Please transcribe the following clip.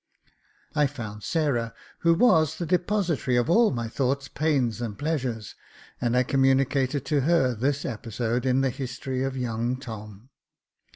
I found Sarah, who was the depository of all my thoughts, pains, and pleasures, and I communicated to her this episode in the history of young Tom.